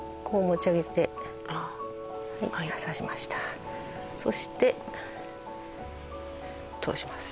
そして通します。